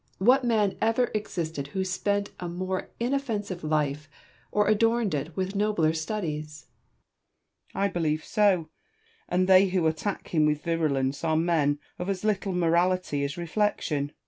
What man ever existed who spent a more inoffensive life, or adorned it with nobler studies '? Porson, I believe so ; and they who attack him with virulence are men of as little morality as reflection.